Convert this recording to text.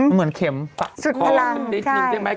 เหมือนเข็มแต่ตัดกลางได้